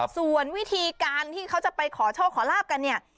ส่วนวิธีการที่เขาจะไปขอโชคขอลาบกันเนี่ย